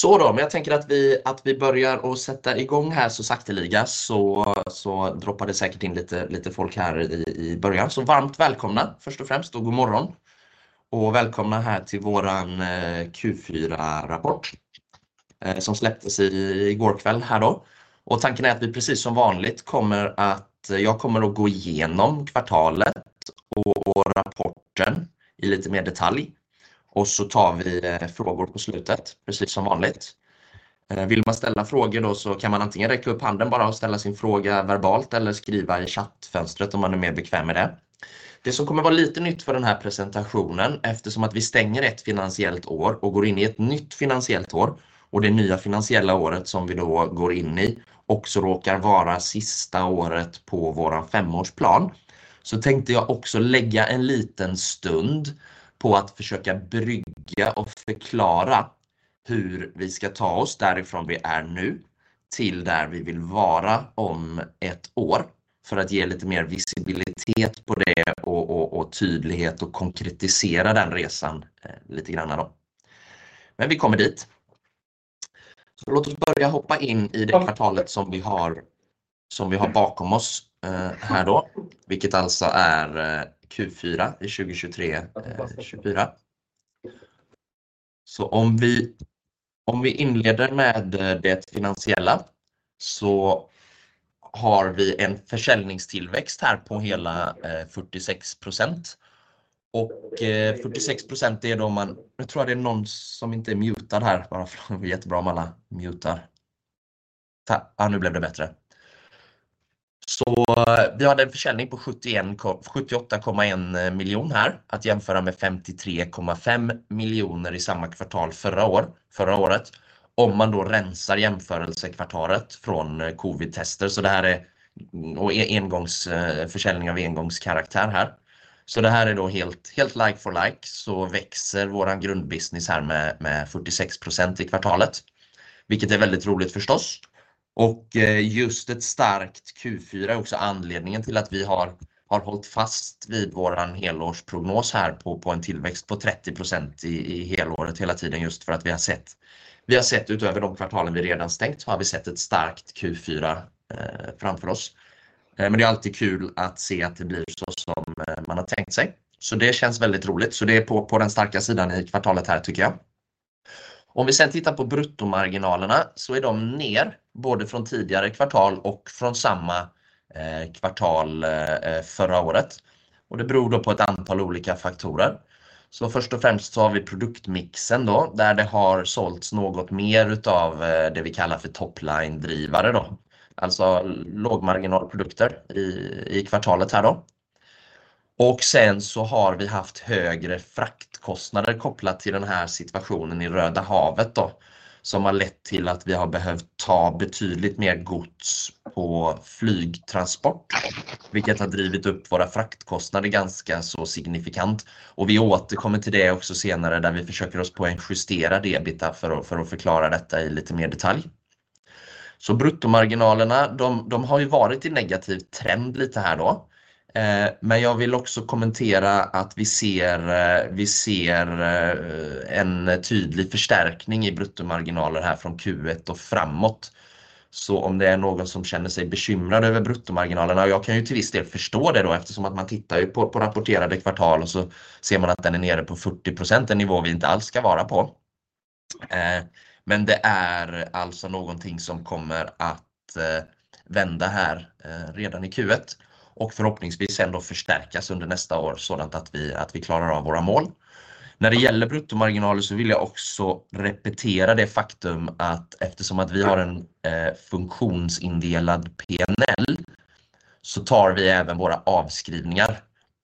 Så då, men jag tänker att vi börjar och sätter igång här så sakteliga så droppar det säkert in lite folk här i början, så varmt välkomna först och främst och god morgon och välkomna här till vår Q4-rapport som släpptes i går kväll här då och tanken är att vi precis som vanligt kommer att jag kommer att gå igenom kvartalet och rapporten i lite mer detalj och så tar vi frågor på slutet precis som vanligt. Vill man ställa frågor då så kan man antingen räcka upp handen bara och ställa sin fråga verbalt eller skriva i chattfönstret om man är mer bekväm med det. Det som kommer vara lite nytt för den här presentationen eftersom att vi stänger ett finansiellt år och går in i ett nytt finansiellt år och det nya finansiella året som vi då går in i också råkar vara sista året på vår femårsplan så tänkte jag också lägga en liten stund på att försöka brygga och förklara hur vi ska ta oss därifrån vi är nu till där vi vill vara om ett år för att ge lite mer visibilitet på det och tydlighet och konkretisera den resan lite granna då. Men vi kommer dit så låt oss börja hoppa in i det kvartalet som vi har bakom oss här då vilket alltså är Q4 i 2023-24. Om vi inleder med det finansiella så har vi en försäljningstillväxt här på hela 46% och 46% det är då om man nu tror jag det är någon som inte är mutad här bara får jättebra om alla mutar tack ja nu blev det bättre så vi hade en försäljning på 78,1 miljoner här att jämföra med 53,5 miljoner i samma kvartal förra året. Om man då rensar jämförelsekvartalet från covidtester så det här är engångsförsäljning av engångskaraktär här så det här är då helt like for like så växer vår grundbusiness här med 46% i kvartalet vilket är väldigt roligt förstås och just ett starkt Q4 är också anledningen till att vi har hållit fast vid vår helårsprognos här på en tillväxt på 30% i helåret hela tiden just för att vi har sett vi har sett utöver de kvartalen vi redan stängt så har vi sett ett starkt Q4 framför oss men det är alltid kul att se att det blir så som man har tänkt sig så det känns väldigt roligt så det är på den starka sidan i kvartalet här tycker jag. Om vi sen tittar på bruttomarginalerna så är de ner både från tidigare kvartal och från samma kvartal förra året och det beror då på ett antal olika faktorer så först och främst så har vi produktmixen då där det har sålts något mer utav det vi kallar för topline drivare då alltså lågmarginalprodukter i kvartalet här då och sen så har vi haft högre fraktkostnader kopplat till den här situationen i Röda havet då som har lett till att vi har behövt ta betydligt mer gods på flygtransport vilket har drivit upp våra fraktkostnader ganska så signifikant och vi återkommer till det också senare där vi försöker justera för att förklara detta i lite mer detalj så bruttomarginalerna de har ju varit i negativ trend lite här då men jag vill också kommentera att vi ser vi ser en tydlig förstärkning i bruttomarginaler här från Q1 och framåt så om det är någon som känner sig bekymrad över bruttomarginalerna och jag kan ju till viss del förstå det då eftersom att man tittar ju på rapporterade kvartal och så ser man att den är nere på 40% en nivå vi inte alls ska vara på men det är alltså någonting som kommer att vända här redan i Q1 och förhoppningsvis sen då förstärkas under nästa år sådant att vi klarar av våra mål när det gäller bruttomarginaler. Så vill jag också repetera det faktum att eftersom att vi har en funktionsindelad PNL så tar vi även våra avskrivningar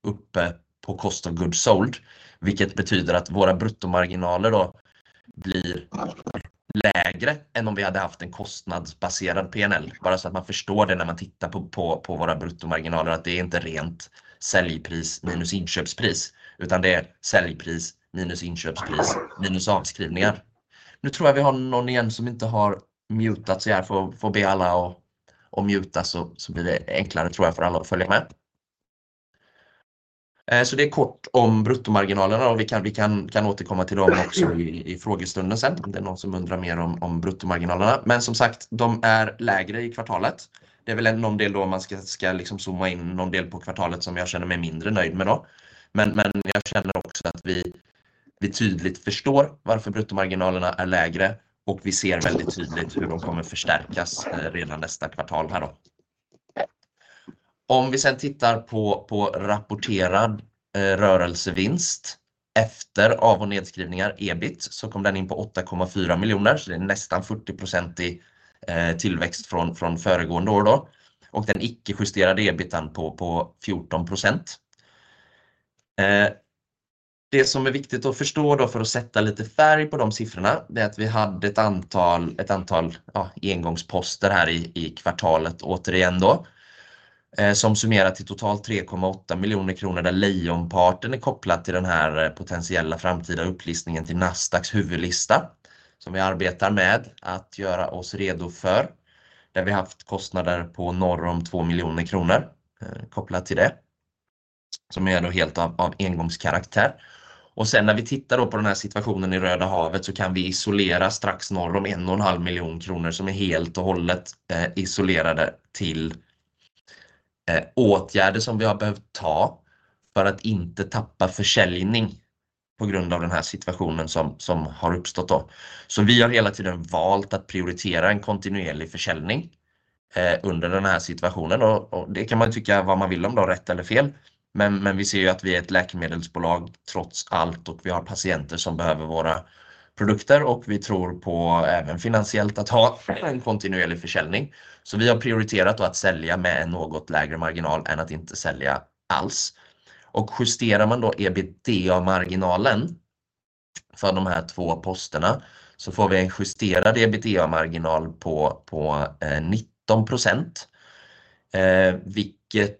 uppe på cost of goods sold vilket betyder att våra bruttomarginaler då blir lägre än om vi hade haft en kostnadsbaserad PNL bara så att man förstår det när man tittar på våra bruttomarginaler att det är inte rent säljpris minus inköpspris utan det är säljpris minus inköpspris minus avskrivningar. Nu tror jag vi har någon igen som inte har mutat så jag får be alla att muta så blir det enklare tror jag för alla att följa med så det är kort om bruttomarginalerna och vi kan återkomma till dem också i frågestunden sen om det är någon som undrar mer om bruttomarginalerna men som sagt de är lägre i kvartalet det är väl någon del då man ska zooma in någon del på kvartalet som jag känner mig mindre nöjd med då men men jag känner också att vi tydligt förstår varför bruttomarginalerna är lägre och vi ser väldigt tydligt hur de kommer förstärkas redan nästa kvartal här då. Om vi sen tittar på rapporterad rörelsevinst efter av- och nedskrivningar EBIT så kom den in på 8,4 miljoner så det är nästan 40% i tillväxt från föregående år då och den icke justerade EBITDA på 14%. Det som är viktigt att förstå då för att sätta lite färg på de siffrorna det är att vi hade ett antal engångsposter här i kvartalet återigen då som summerar till totalt 3,8 miljoner kr där lejonparten är kopplad till den här potentiella framtida upplistningen till Nasdaqs huvudlista som vi arbetar med att göra oss redo för där vi haft kostnader på norr om 2 miljoner kr kopplat till det som är då helt av engångskaraktär och sen när vi tittar då på den här situationen i Röda havet så kan vi isolera strax norr om 1,5 miljoner kr som är helt och hållet isolerade till åtgärder som vi har behövt ta för att inte tappa försäljning på grund av den här situationen som har uppstått då så vi har hela tiden valt att prioritera en kontinuerlig försäljning under den här situationen och det kan man ju tycka vad man vill om då rätt eller fel men vi ser ju att vi är ett läkemedelsbolag trots allt och vi har patienter som behöver våra produkter och vi tror på även finansiellt att ha en kontinuerlig försäljning så vi har prioriterat då att sälja med en något lägre marginal än att inte sälja alls och justerar man då EBITDA-marginalen för de här två posterna så får vi en justerad EBITDA-marginal på 19% vilket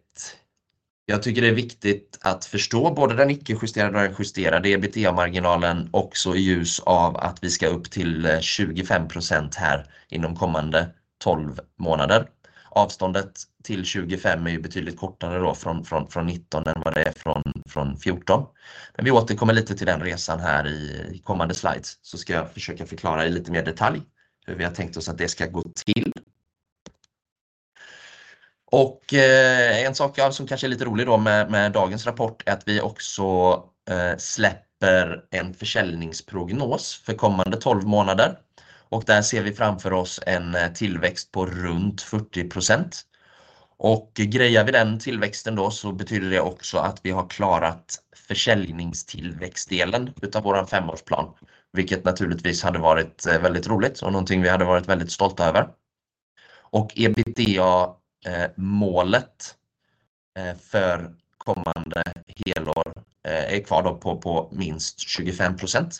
jag tycker det är viktigt att förstå både den icke justerade och den justerade EBITDA-marginalen också i ljus av att vi ska upp till 25% här inom kommande 12 månader avståndet till 25 är ju betydligt kortare då från 19 än vad det är från 14 men vi återkommer lite till den resan här i kommande slides så ska jag försöka förklara i lite mer detalj hur vi har tänkt oss att det ska gå till. En sak som kanske är lite rolig då med dagens rapport är att vi också släpper en försäljningsprognos för kommande 12 månader och där ser vi framför oss en tillväxt på runt 40% och grejar vi den tillväxten då så betyder det också att vi har klarat försäljningstillväxtdelen utav vår femårsplan vilket naturligtvis hade varit väldigt roligt och någonting vi hade varit väldigt stolta över och EBITDA målet för kommande helår är kvar då på minst 25%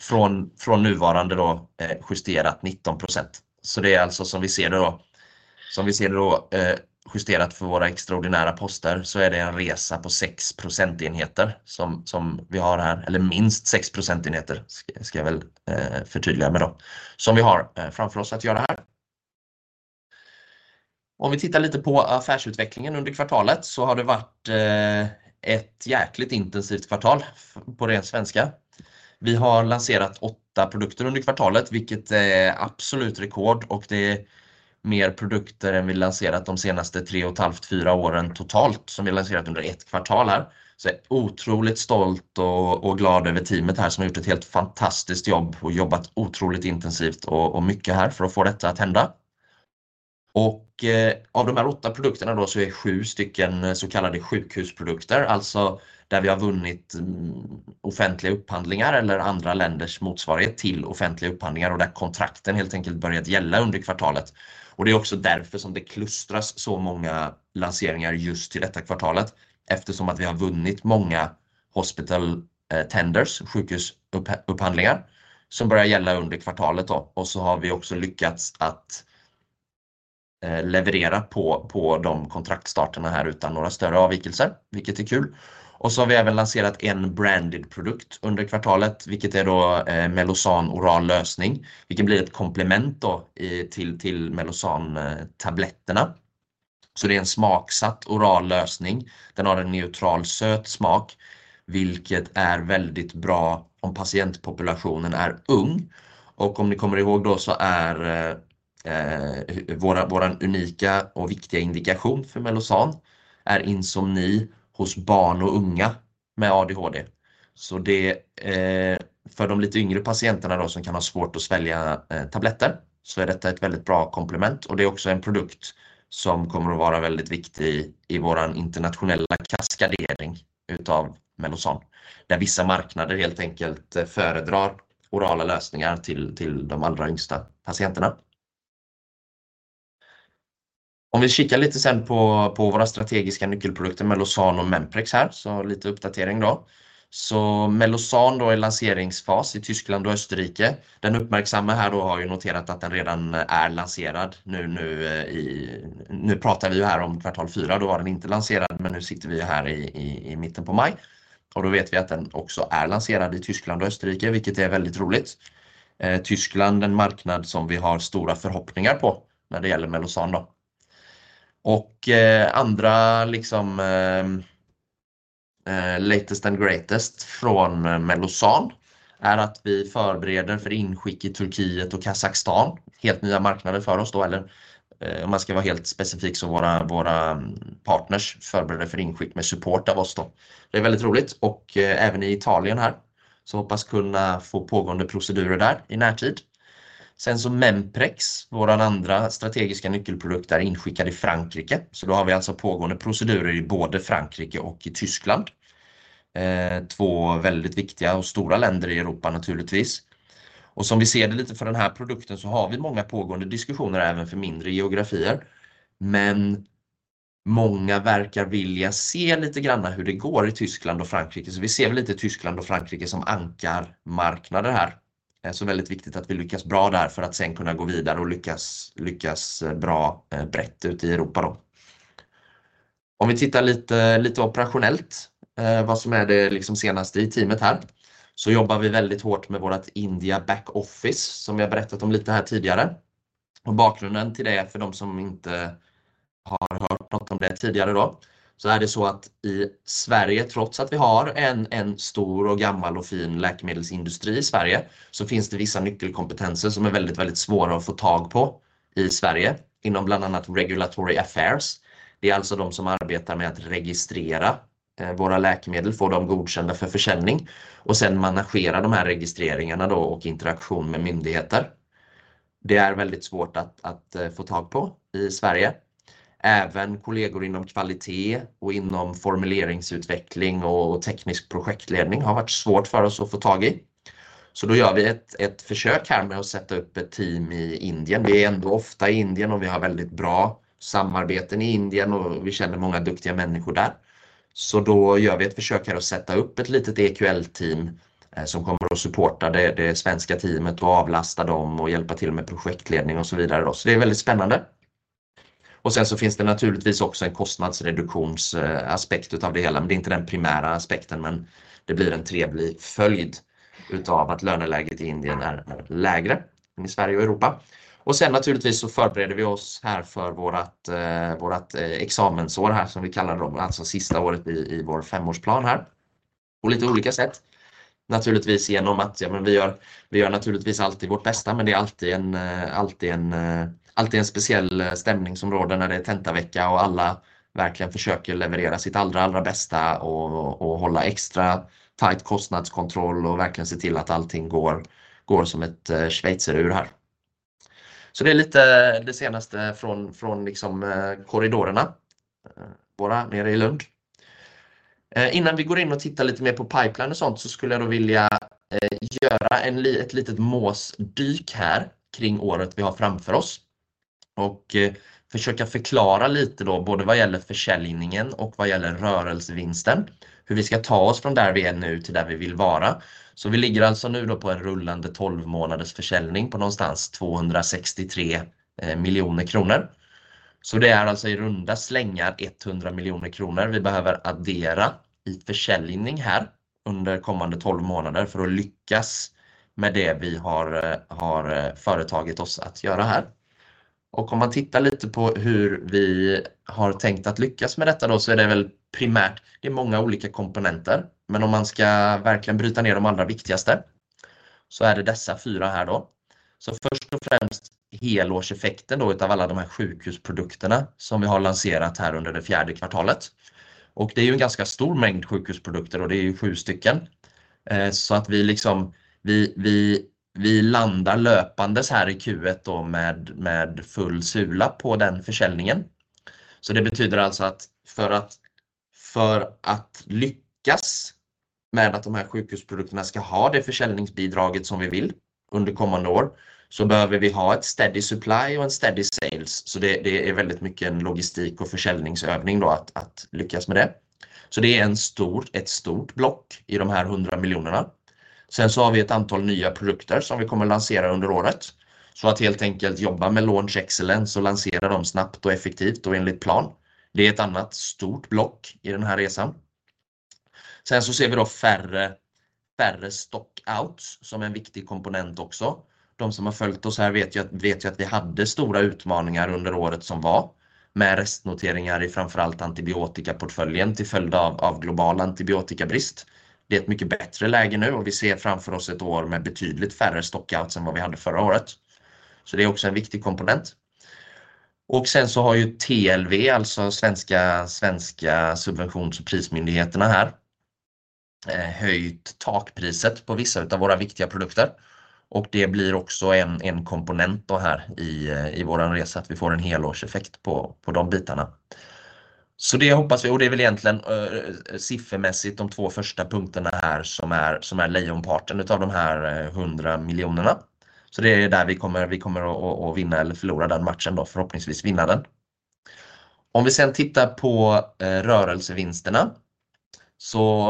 från nuvarande då justerat 19% så det är alltså som vi ser det då justerat för våra extraordinära poster så är det en resa på 6 procentenheter som vi har här eller minst 6 procentenheter ska jag väl förtydliga med då som vi har framför oss att göra här. Om vi tittar lite på affärsutvecklingen under kvartalet så har det varit ett jäkligt intensivt kvartal på ren svenska. Vi har lanserat åtta produkter under kvartalet vilket är absolut rekord och det är mer produkter än vi lanserat de senaste tre och ett halvt fyra åren totalt som vi har lanserat under ett kvartal här så jag är otroligt stolt och glad över teamet här som har gjort ett helt fantastiskt jobb och jobbat otroligt intensivt och mycket här för att få detta att hända och av de här åtta produkterna då så är sju stycken så kallade sjukhusprodukter alltså där vi har vunnit offentliga upphandlingar eller andra länders motsvarighet till offentliga upphandlingar och där kontrakten helt enkelt börjat gälla under kvartalet och det är också därför som det klustras så många lanseringar just till detta kvartalet eftersom att vi har vunnit många hospital tenders sjukhusupphandlingar som börjar gälla under kvartalet då och så har vi också lyckats att leverera på de kontraktstarterna här utan några större avvikelser vilket är kul och så har vi även lanserat en branded produkt under kvartalet vilket är då Melosan oral lösning vilken blir ett komplement då till Melosan tabletterna så det är en smaksatt oral lösning den har en neutral söt smak vilket är väldigt bra om patientpopulationen är ung och om ni kommer ihåg då så är vår unika och viktiga indikation för Melosan är insomni hos barn och unga med ADHD så det för de lite yngre patienterna då som kan ha svårt att svälja tabletter så är detta ett väldigt bra komplement och det är också en produkt som kommer att vara väldigt viktig i vår internationella kaskadering utav Melosan där vissa marknader helt enkelt föredrar orala lösningar till de allra yngsta patienterna. Om vi kikar lite sen på våra strategiska nyckelprodukter Melosan och Memprex här så lite uppdatering då så Melosan då är lanseringsfas i Tyskland och Österrike den uppmärksamma här då har ju noterat att den redan är lanserad nu nu i nu pratar vi ju här om kvartal fyra då var den inte lanserad men nu sitter vi ju här i mitten på maj och då vet vi att den också är lanserad i Tyskland och Österrike vilket är väldigt roligt Tyskland en marknad som vi har stora förhoppningar på när det gäller Melosan då och andra latest and greatest från Melosan är att vi förbereder för inskick i Turkiet och Kazakstan helt nya marknader för oss då eller om man ska vara helt specifik så våra partners förbereder för inskick med support av oss då det är väldigt roligt och även i Italien här så hoppas kunna få pågående procedurer där i närtid sen så Memprex vår andra strategiska nyckelprodukt är inskickad i Frankrike så då har vi alltså pågående procedurer i både Frankrike och i Tyskland två väldigt viktiga och stora länder i Europa naturligtvis och som vi ser det lite för den här produkten så har vi många pågående diskussioner även för mindre geografier men många verkar vilja se lite granna hur det går i Tyskland och Frankrike så vi ser väl lite Tyskland och Frankrike som ankarmarknader här det är så väldigt viktigt att vi lyckas bra där för att sen kunna gå vidare och lyckas bra brett ut i Europa då. Om vi tittar lite operationellt vad som är det senaste i teamet här så jobbar vi väldigt hårt med vårt India back office som vi har berättat om lite här tidigare och bakgrunden till det för de som inte har hört något om det tidigare då så är det så att i Sverige trots att vi har en stor och gammal och fin läkemedelsindustri i Sverige så finns det vissa nyckelkompetenser som är väldigt svåra att få tag på i Sverige inom bland annat regulatory affairs det är alltså de som arbetar med att registrera våra läkemedel få dem godkända för försäljning och sen managerar de här registreringarna då och interaktion med myndigheter det är väldigt svårt att få tag på i Sverige även kollegor inom kvalitet och inom formuleringsutveckling och teknisk projektledning har varit svårt för oss att få tag i så då gör vi ett försök här med att sätta upp ett team i Indien vi är ändå ofta i Indien och vi har väldigt bra samarbeten i Indien och vi känner många duktiga människor där så då gör vi ett försök här att sätta upp ett litet EQL team som kommer att supporta det svenska teamet och avlasta dem och hjälpa till med projektledning och så vidare då så det är väldigt spännande och sen så finns det naturligtvis också en kostnadsreduktionsaspekt utav det hela men det är inte den primära aspekten men det blir en trevlig följd utav att löneläget i Indien är lägre än i Sverige och Europa och sen naturligtvis så förbereder vi oss här för vårt examensår här som vi kallar det då alltså sista året i vår femårsplan här på lite olika sätt naturligtvis genom att ja men vi gör naturligtvis alltid vårt bästa men det är alltid en speciell stämning när det är tentavecka och alla verkligen försöker leverera sitt allra bästa och hålla extra tajt kostnadskontroll och verkligen se till att allting går som ett schweizerur här så det är lite det senaste från korridorerna våra nere i Lund. Innan vi går in och tittar lite mer på pipeline och sånt så skulle jag då vilja göra ett litet måsdyk här kring året vi har framför oss och försöka förklara lite då både vad gäller försäljningen och vad gäller rörelsevinsten hur vi ska ta oss från där vi är nu till där vi vill vara så vi ligger alltså nu då på en rullande 12 månaders försäljning på någonstans 263 miljoner kr så det är alltså i runda slängar 100 miljoner kr vi behöver addera i försäljning här under kommande 12 månader för att lyckas med det vi har företagit oss att göra här och om man tittar lite på hur vi har tänkt att lyckas med detta då så är det väl primärt det är många olika komponenter men om man ska verkligen bryta ner de allra viktigaste så är det dessa fyra här då så först och främst helårseffekten då utav alla de här sjukhusprodukterna som vi har lanserat här under det fjärde kvartalet och det är ju en ganska stor mängd sjukhusprodukter och det är ju sju stycken så att vi vi landar löpandes här i Q1 då med full sula på den försäljningen så det betyder alltså att för att lyckas med att de här sjukhusprodukterna ska ha det försäljningsbidraget som vi vill under kommande år så behöver vi ha ett steady supply och en steady sales så det det är väldigt mycket en logistik och försäljningsövning då att lyckas med det så det är en stor ett stort block i de här 100 miljonerna sen så har vi ett antal nya produkter som vi kommer lansera under året så att helt enkelt jobba med launch excellence och lansera dem snabbt och effektivt och enligt plan det är ett annat stort block i den här resan sen så ser vi då färre stockouts som är en viktig komponent också de som har följt oss här vet ju att vi hade stora utmaningar under året som var med restnoteringar i framförallt antibiotikaportföljen till följd av global antibiotikabrist det är ett mycket bättre läge nu och vi ser framför oss ett år med betydligt färre stockouts än vad vi hade förra året så det är också en viktig komponent och sen så har ju TLV alltså svenska subventions- och prismyndigheterna här höjt takpriset på vissa utav våra viktiga produkter och det blir också en komponent då här i vår resa att vi får en helårseffekt på de bitarna så det hoppas vi och det är väl egentligen siffermässigt de två första punkterna här som är lejonparten utav de här 100 miljonerna så det är där vi kommer att vinna eller förlora den matchen då förhoppningsvis vinna den. Om vi sen tittar på rörelsevinsterna så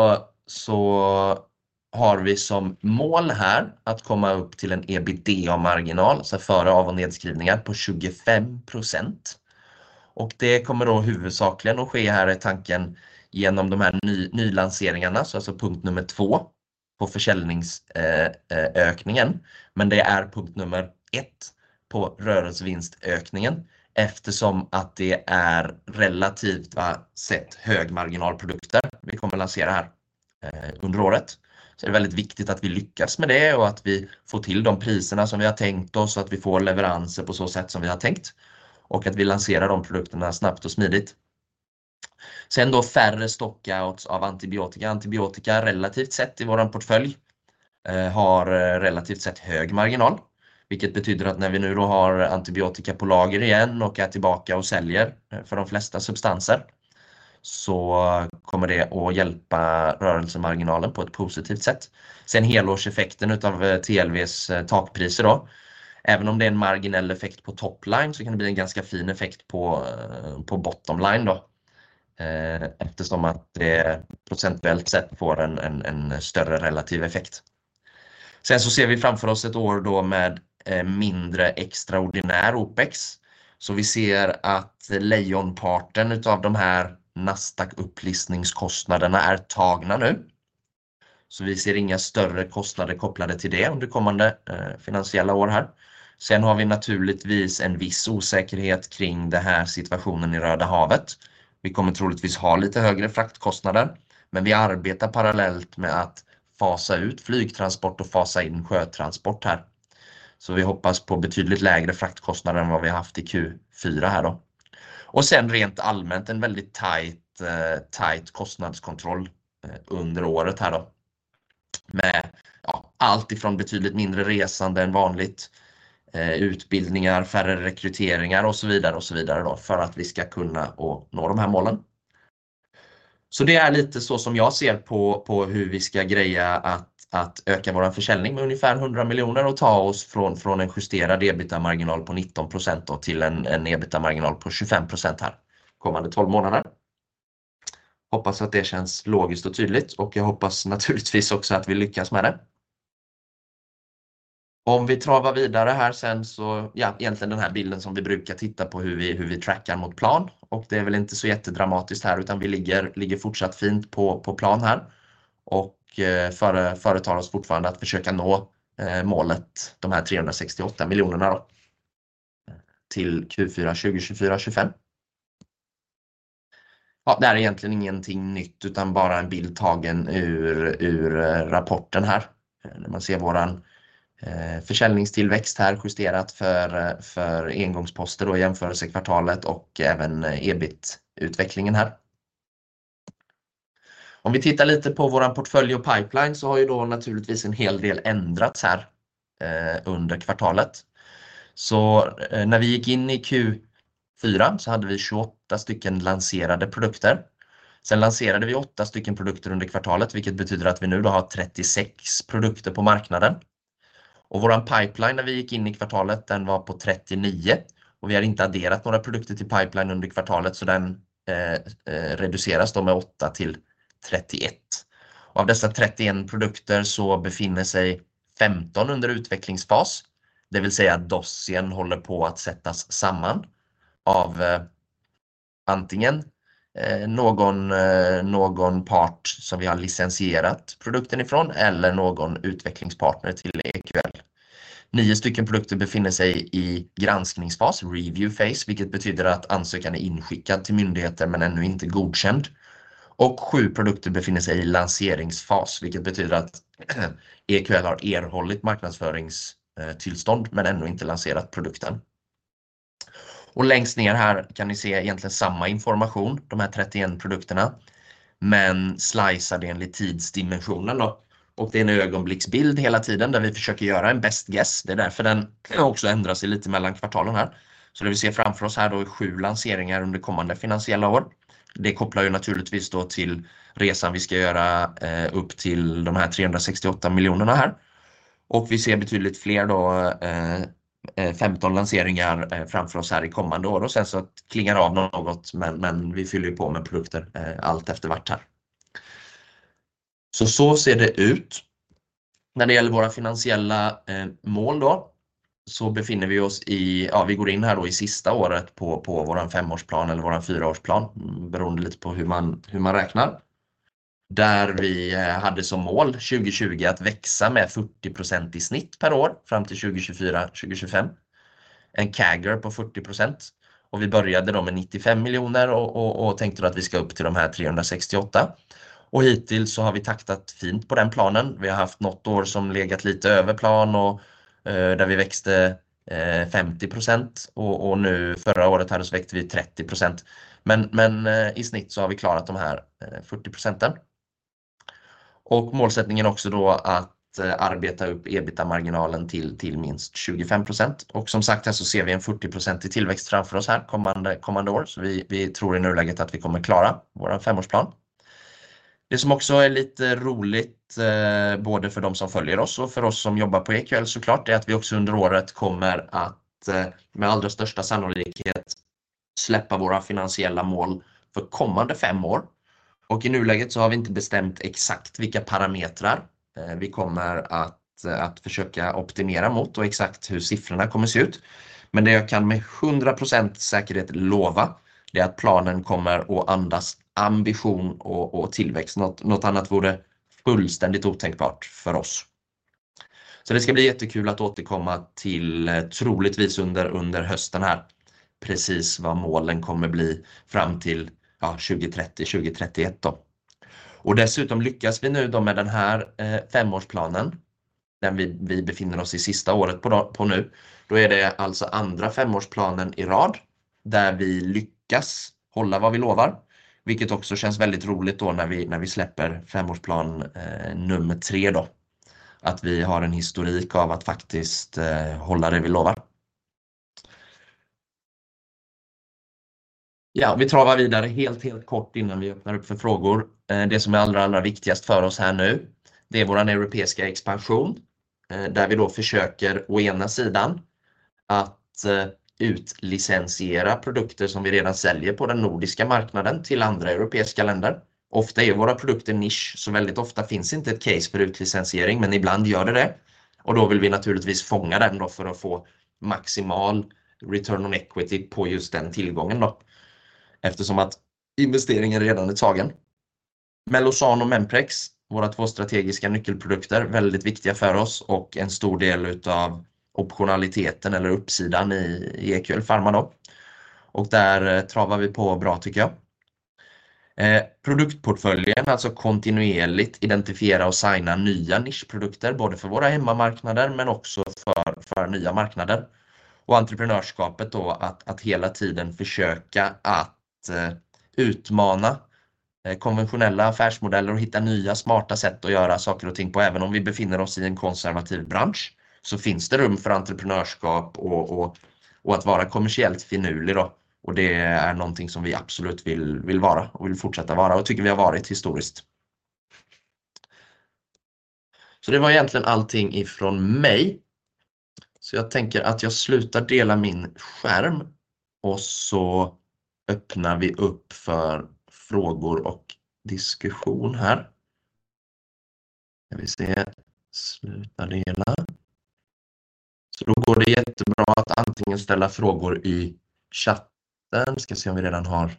har vi som mål här att komma upp till en EBITDA-marginal så här före av- och nedskrivningar på 25% och det kommer då huvudsakligen att ske här är tanken genom de här nylanseringarna så alltså punkt nummer två på försäljningsökningen men det är punkt nummer ett på rörelsevinstökningen eftersom att det är relativt sett högmarginalprodukter vi kommer lansera här under året så är det väldigt viktigt att vi lyckas med det och att vi får till de priserna som vi har tänkt oss så att vi får leveranser på så sätt som vi har tänkt och att vi lanserar de produkterna snabbt och smidigt sen då färre stockouts av antibiotika antibiotika relativt sett i vår portfölj har relativt sett hög marginal vilket betyder att när vi nu då har antibiotika på lager igen och är tillbaka och säljer för de flesta substanser så kommer det att hjälpa rörelsemarginalen på ett positivt sätt sen helårseffekten utav TLV:s takpriser då även om det är en marginell effekt på topline så kan det bli en ganska fin effekt på bottomline då eftersom att det procentuellt sett får en större relativ effekt sen så ser vi framför oss ett år då med mindre extraordinär OPEX så vi ser att lejonparten utav de här Nasdaq-upplistningskostnaderna är tagna nu så vi ser inga större kostnader kopplade till det under kommande finansiella år här sen har vi naturligtvis en viss osäkerhet kring den här situationen i Röda havet vi kommer troligtvis ha lite högre fraktkostnader men vi arbetar parallellt med att fasa ut flygtransport och fasa in sjötransport här så vi hoppas på betydligt lägre fraktkostnader än vad vi har haft i Q4 här då och sen rent allmänt en väldigt tajt kostnadskontroll under året här då med allt ifrån betydligt mindre resande än vanligt utbildningar färre rekryteringar och så vidare för att vi ska kunna nå de här målen så det är lite så som jag ser på hur vi ska greja att öka vår försäljning med ungefär 100 miljoner och ta oss från en justerad EBITDA-marginal på 19% då till en EBITDA-marginal på 25% här kommande 12 månader hoppas att det känns logiskt och tydligt och jag hoppas naturligtvis också att vi lyckas med det. Om vi travar vidare här sen så ja egentligen den här bilden som vi brukar titta på hur vi trackar mot plan och det är väl inte så jättedramatiskt här utan vi ligger fortsatt fint på plan här och företar oss fortfarande att försöka nå målet de här 368 miljonerna då till Q4 2024-25 ja det här är egentligen ingenting nytt utan bara en bild tagen ur rapporten här när man ser vår försäljningstillväxt här justerat för engångsposter då jämförelsekvartalet och även EBIT-utvecklingen här. Om vi tittar lite på vår portfölj och pipeline så har ju då naturligtvis en hel del ändrats här under kvartalet så när vi gick in i Q4 så hade vi 28 stycken lanserade produkter sen lanserade vi åtta stycken produkter under kvartalet vilket betyder att vi nu då har 36 produkter på marknaden och vår pipeline när vi gick in i kvartalet den var på 39 och vi har inte adderat några produkter till pipeline under kvartalet så den reduceras då med åtta till 31 och av dessa 31 produkter så befinner sig 15 under utvecklingsfas det vill säga dosen håller på att sättas samman av antingen någon part som vi har licensierat produkten ifrån eller någon utvecklingspartner till EQL nio stycken produkter befinner sig i granskningsfas review phase vilket betyder att ansökan är inskickad till myndigheter men ännu inte godkänd och sju produkter befinner sig i lanseringsfas vilket betyder att EQL har erhållit marknadsföringstillstånd men ännu inte lanserat produkten och längst ner här kan ni se egentligen samma information de här 31 produkterna men sliceade enligt tidsdimensionen då och det är en ögonblicksbild hela tiden där vi försöker göra en best guess det är därför den också ändrar sig lite mellan kvartalen här så det vi ser framför oss här då är sju lanseringar under kommande finansiella år det kopplar ju naturligtvis då till resan vi ska göra upp till de här 368 miljonerna här och vi ser betydligt fler då 15 lanseringar framför oss här i kommande år och sen så klingar det av något men vi fyller ju på med produkter allt efter vart här så ser det ut. När det gäller våra finansiella mål då så befinner vi oss i ja vi går in här då i sista året på vår femårsplan eller vår fyraårsplan beroende lite på hur man räknar där vi hade som mål 2020 att växa med 40% i snitt per år fram till 2024-2025 en CAGR på 40% och vi började då med 95 miljoner och tänkte då att vi ska upp till de här 368 och hittills så har vi taktat fint på den planen vi har haft något år som legat lite över plan och där vi växte 50% och nu förra året här så växte vi 30% men i snitt så har vi klarat de här 40%en och målsättningen också då att arbeta upp EBITDA-marginalen till minst 25% och som sagt här så ser vi en 40% tillväxt framför oss här kommande år så vi tror i nuläget att vi kommer klara vår femårsplan det som också är lite roligt både för de som följer oss och för oss som jobbar på EQL såklart det är att vi också under året kommer att med allra största sannolikhet släppa våra finansiella mål för kommande fem år och i nuläget så har vi inte bestämt exakt vilka parametrar vi kommer att försöka optimera mot och exakt hur siffrorna kommer se ut men det jag kan med 100% säkerhet lova det är att planen kommer att andas ambition och tillväxt något annat vore fullständigt otänkbart för oss så det ska bli jättekul att återkomma till troligtvis under hösten här precis vad målen kommer bli fram till ja 2030-2031 då och dessutom lyckas vi nu då med den här femårsplanen den vi befinner oss i sista året på då nu då är det alltså andra femårsplanen i rad där vi lyckas hålla vad vi lovar vilket också känns väldigt roligt då när vi släpper femårsplan nummer tre då att vi har en historik av att faktiskt hålla det vi lovar. Ja vi travar vidare helt kort innan vi öppnar upp för frågor det som är allra viktigast för oss här nu det är vår europeiska expansion där vi då försöker å ena sidan att utlicensiera produkter som vi redan säljer på den nordiska marknaden till andra europeiska länder ofta är ju våra produkter nisch så väldigt ofta finns inte ett case för utlicensiering men ibland gör det det och då vill vi naturligtvis fånga den då för att få maximal return on equity på just den tillgången då eftersom att investeringen redan är tagen Melosan och Memprex våra två strategiska nyckelprodukter väldigt viktiga för oss och en stor del utav optionaliteten eller uppsidan i EQL Pharma då och där travar vi på bra tycker jag produktportföljen alltså kontinuerligt identifiera och signa nya nischprodukter både för våra hemmamarknader men också för nya marknader och entreprenörskapet då att hela tiden försöka att utmana konventionella affärsmodeller och hitta nya smarta sätt att göra saker och ting på även om vi befinner oss i en konservativ bransch så finns det rum för entreprenörskap och att vara kommersiellt finulig då och det är någonting som vi absolut vill vara och vill fortsätta vara och tycker vi har varit historiskt så det var egentligen allting ifrån mig så jag tänker att jag slutar dela min skärm och så öppnar vi upp för frågor och diskussion här ska vi se sluta dela så då går det jättebra att antingen ställa frågor i chatten ska se om vi redan har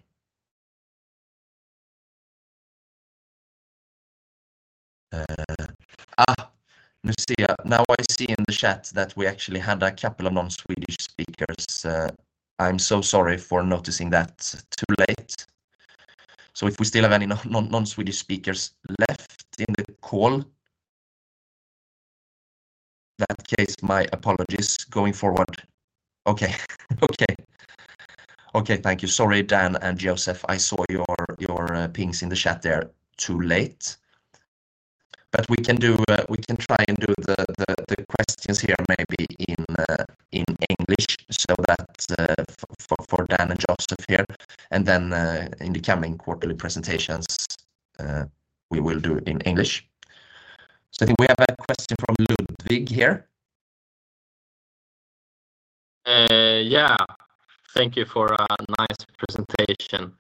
nu ser jag now I see in the chat that we actually had a couple of non-Swedish speakers I'm so sorry for noticing that too late so if we still have any non-Swedish speakers left in the call that case my apologies going forward okej thank you sorry Dan and Joseph I saw your pings in the chat there too late but we can do we can try and do the questions here maybe in English so that for Dan and Joseph here and then in the coming quarterly presentations we will do in English so I think we have a question from Ludwig here yeah thank you for a nice presentation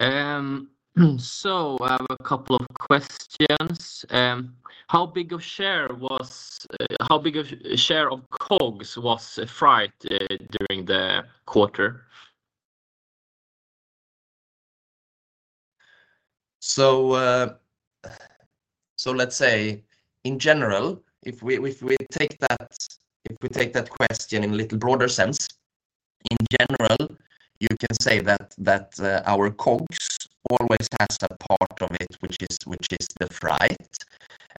ehm so I have a couple of questions ehm how big of share was how big of share of COGS was freight during the quarter so so let's say in general if we if we take that if we take that question in a little broader sense in general you can say that that our COGS always has a part of it which is which is the freight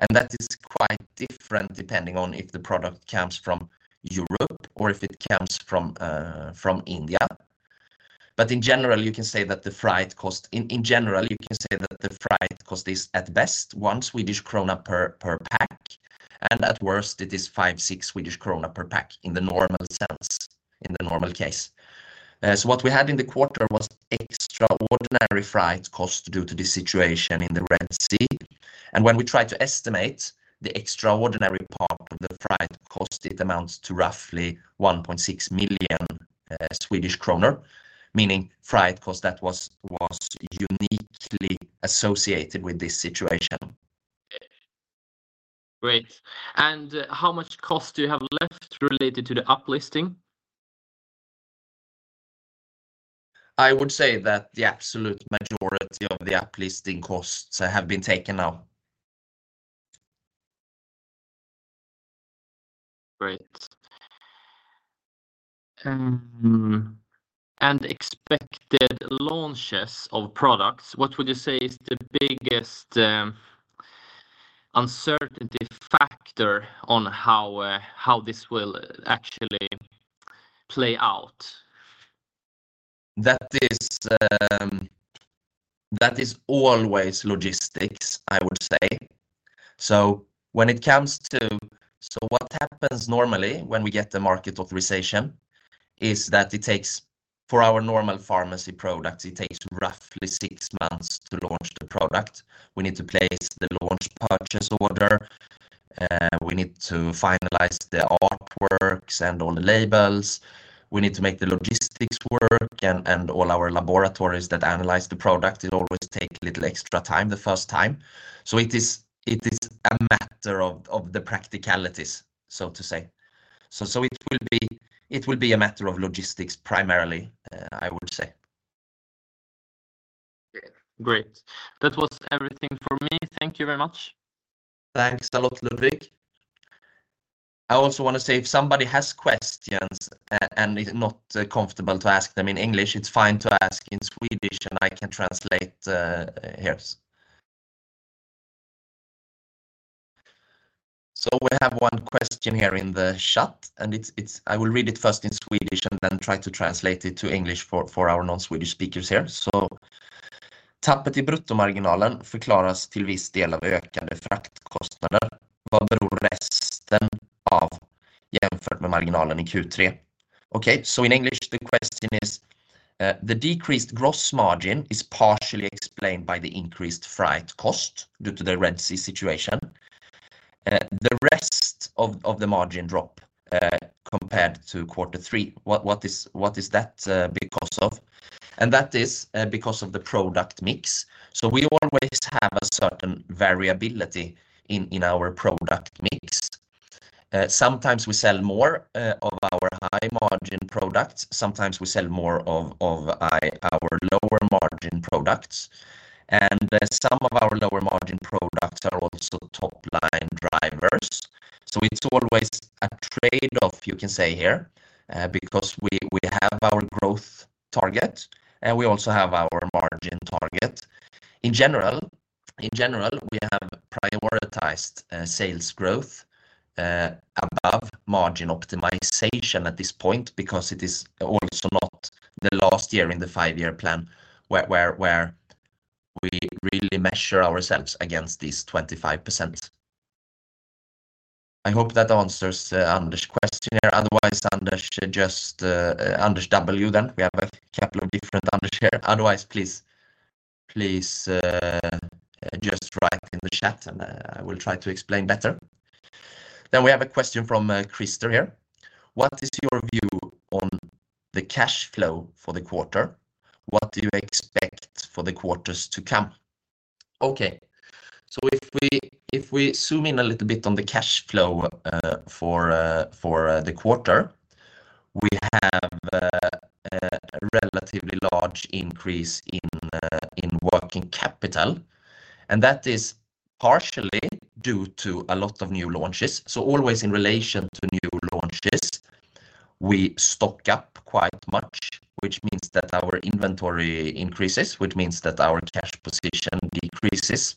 and that is quite different depending on if the product comes from Europe or if it comes from from India but in general you can say that the freight cost in in general you can say that the freight cost is at best one Swedish krona per per pack and at worst it is five six Swedish krona per pack in the normal sense in the normal case so what we had in the quarter was extraordinary freight cost due to the situation in the Red Sea and when we tried to estimate the extraordinary part of the freight cost it amounts to roughly 1.6 million Swedish kroner meaning freight cost that was was uniquely associated with this situation great and how much cost do you have left related to the uplisting I would say that the absolute majority of the uplisting costs have been taken now great ehm and expected launches of products what would you say is the biggest uncertainty factor on how how this will actually play out that is that is always logistics I would say so when it comes to so what happens normally when we get the market authorization is that it takes for our normal pharmacy products it takes roughly six months to launch the product we need to place the launch purchase order we need to finalize the artworks and all the labels we need to make the logistics work and and all our laboratories that analyze the product it always take a little extra time the first time so it is it is a matter of of the practicalities so to say so so it will be it will be a matter of logistics primarily I would say great that was everything for me thank you very much thanks a lot Ludwig I also want to say if somebody has questions and is not comfortable to ask them in English it's fine to ask in Swedish and I can translate here so we have one question here in the chat and it's it's I will read it first in Swedish and then try to translate it to English for for our non-Swedish speakers here so tappet i bruttomarginalen förklaras till viss del av ökade fraktkostnader vad beror resten av jämfört med marginalen i Q3 okej so in English the question is the decreased gross margin is partially explained by the increased freight cost due to the Red Sea situation the rest of of the margin drop compared to quarter three what what is what is that because of and that is because of the product mix so we always have a certain variability in in our product mix sometimes we sell more of our high margin products sometimes we sell more of of our lower margin products and some of our lower margin products are also topline drivers so it's always a trade-off you can say here because we we have our growth target and we also have our margin target in general in general we have prioritized sales growth above margin optimization at this point because it is also not the last year in the five-year plan where where where we really measure ourselves against these 25% I hope that answers Anders' question here otherwise Anders just Anders W then we have a couple of different Anders here otherwise please please just write in the chat and I will try to explain better then we have a question from Christer here what is your view on the cash flow for the quarter what do you expect for the quarters to come okay so if we if we zoom in a little bit on the cash flow for for the quarter we have a relatively large increase in in working capital and that is partially due to a lot of new launches so always in relation to new launches we stock up quite much which means that our inventory increases which means that our cash position decreases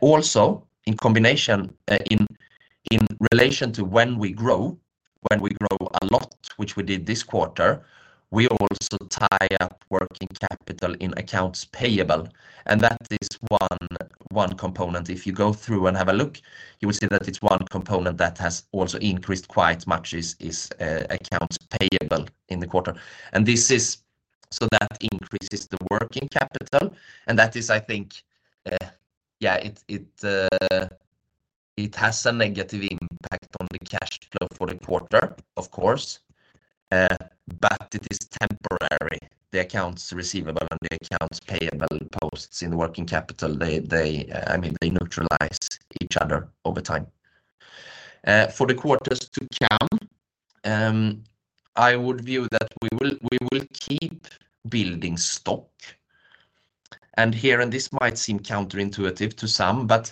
also in combination in in relation to when we grow when we grow a lot which we did this quarter we also tie up working capital in accounts payable and that is one one component if you go through and have a look you will see that it's one component that has also increased quite much is is accounts payable in the quarter and this is so that increases the working capital and that is I think yeah it it it has a negative impact on the cash flow for the quarter of course but it is temporary the accounts receivable and the accounts payable posts in the working capital they they I mean they neutralize each other over time for the quarters to come ehm I would view that we will we will keep building stock and here and this might seem counterintuitive to some but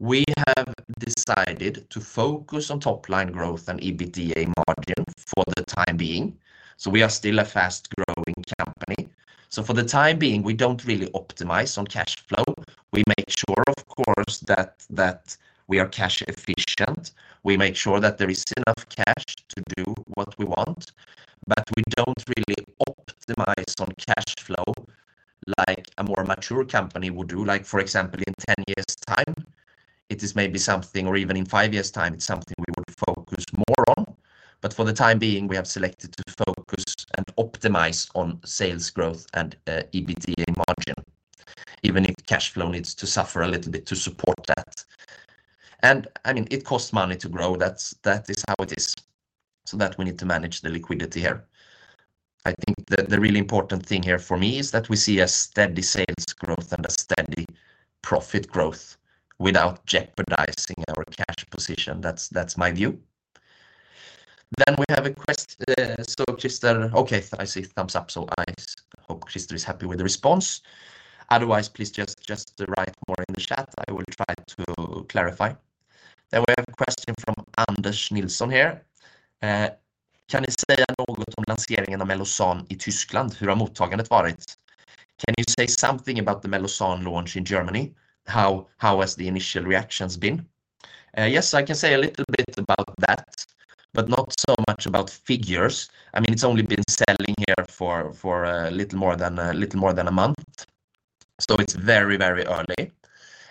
we have decided to focus on topline growth and EBITDA margin for the time being so we are still a fast-growing company so for the time being we don't really optimize on cash flow we make sure of course that that we are cash efficient we make sure that there is enough cash to do what we want but we don't really optimize on cash flow like a more mature company would do like for example in 10 years' time it is maybe something or even in five years' time it's something we would focus more on but for the time being we have selected to focus and optimize on sales growth and EBITDA margin even if cash flow needs to suffer a little bit to support that and I mean it costs money to grow that's that is how it is so that we need to manage the liquidity here I think the the really important thing here for me is that we see a steady sales growth and a steady profit growth without jeopardizing our cash position that's that's my view then we have a question so Christer okay I see thumbs up so I hope Christer is happy with the response otherwise please just just write more in the chat I will try to clarify then we have a question from Anders Nilsson here kan ni säga något om lanseringen av Melosan i Tyskland hur har mottagandet varit can you say something about the Melosan launch in Germany how how has the initial reactions been yes I can say a little bit about that but not so much about figures I mean it's only been selling here for for a little more than a little more than a month so it's very very early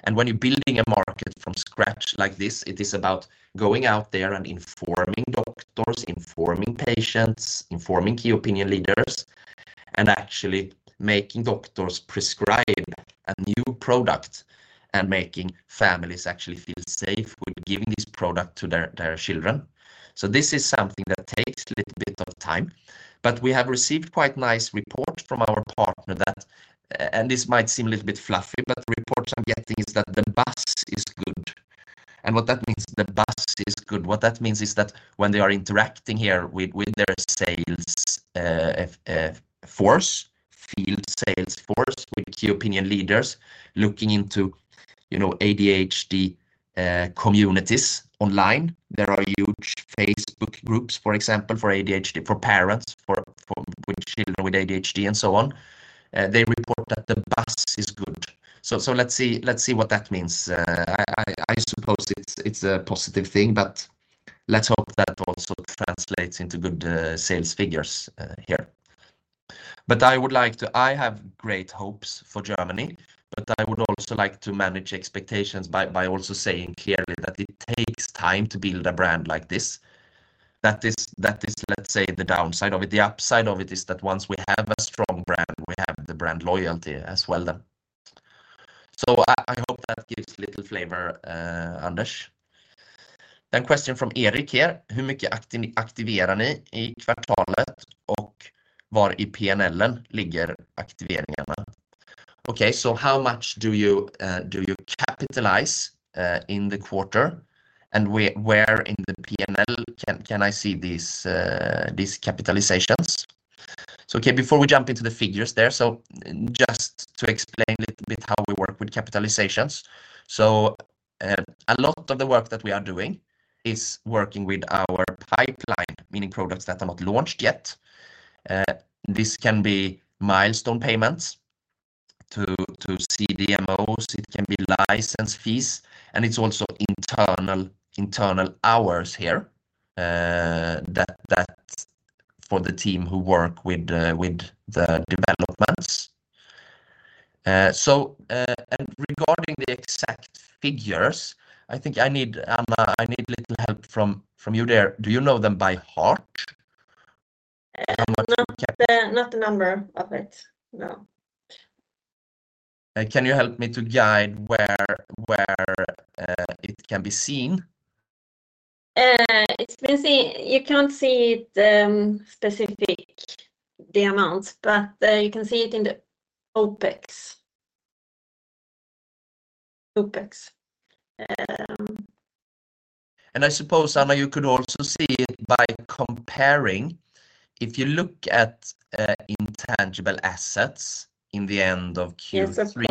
and when you're building a market from scratch like this it is about going out there and informing doctors informing patients informing key opinion leaders and actually making doctors prescribe a new product and making families actually feel safe with giving this product to their their children so this is something that takes a little bit of time but we have received quite nice report from our partner that and this might seem a little bit fluffy but the reports I'm getting is that the buzz is good and what that means the buzz is good what that means is that when they are interacting here with with their sales force field sales force with key opinion leaders looking into you know ADHD communities online there are huge Facebook groups for example for ADHD for parents for for with children with ADHD and so on they report that the buzz is good so so let's see let's see what that means I I I suppose it's it's a positive thing but let's hope that also translates into good sales figures here but I would like to I have great hopes for Germany but I would also like to manage expectations by by also saying clearly that it takes time to build a brand like this that is that is let's say the downside of it the upside of it is that once we have a strong brand we have the brand loyalty as well then so I I hope that gives little flavor Anders then question from Erik here hur mycket aktiverar ni i kvartalet och var i PNL ligger aktiveringarna okej so how much do you do you capitalize in the quarter and where in the PNL can can I see these these capitalizations so okay before we jump into the figures there so just to explain a little bit how we work with capitalizations so a lot of the work that we are doing is working with our pipeline meaning products that are not launched yet this can be milestone payments to to CDMOs it can be license fees and it's also internal internal hours here that that for the team who work with with the developments so and regarding the exact figures I think I need Anna I need little help from from you there do you know them by heart and what not the not the number of it no can you help me to guide where where it can be seen it's been seen you can't see it specific the amounts but you can see it in the OPEX OPEX ehm and I suppose Anna you could also see it by comparing if you look at intangible assets in the end of Q3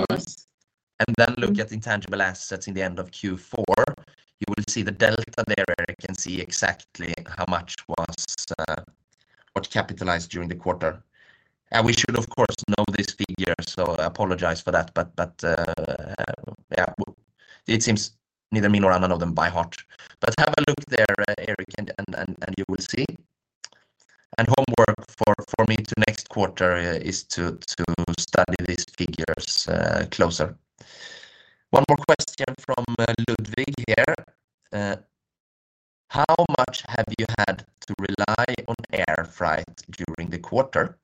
and then look at intangible assets in the end of Q4 you will see the delta there where you can see exactly how much was what capitalized during the quarter and we should of course know this figure so I apologize for that but but yeah it seems neither me nor Anna know them by heart but have a look there Erik and and and you will see and homework for for me to next quarter is to to study these figures closer one more question from Ludwig here how much have you had to rely on air freight during the quarter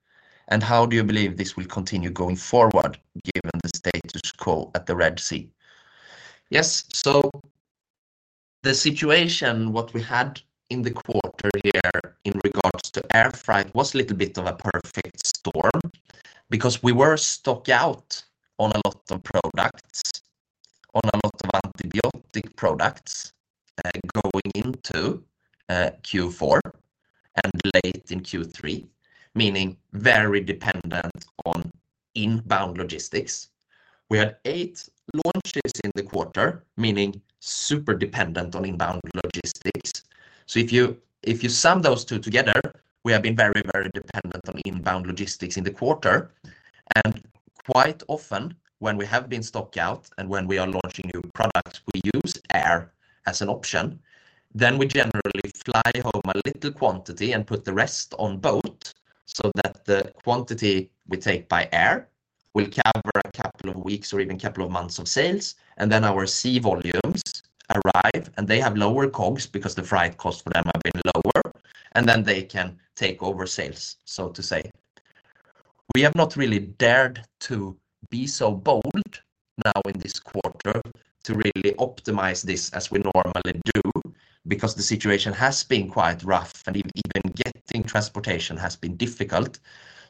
and how do you believe this will continue going forward given the status quo at the Red Sea yes so the situation what we had in the quarter here in regards to air freight was a little bit of a perfect storm because we were stocked out on a lot of products on a lot of antibiotic products going into Q4 and late in Q3 meaning very dependent on inbound logistics we had eight launches in the quarter meaning super dependent on inbound logistics so if you if you sum those two together we have been very very dependent on inbound logistics in the quarter and quite often when we have been stocked out and when we are launching new products we use air as an option then we generally fly home a little quantity and put the rest on boat so that the quantity we take by air will cover a couple of weeks or even a couple of months of sales and then our sea volumes arrive and they have lower COGS because the freight cost for them have been lower and then they can take over sales so to say we have not really dared to be so bold now in this quarter to really optimize this as we normally do because the situation has been quite rough and even getting transportation has been difficult